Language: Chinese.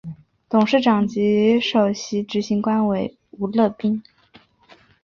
董事长及首席执行官为吴乐斌。